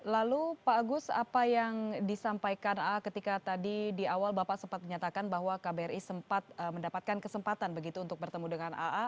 lalu pak agus apa yang disampaikan aa ketika tadi di awal bapak sempat menyatakan bahwa kbri sempat mendapatkan kesempatan begitu untuk bertemu dengan aa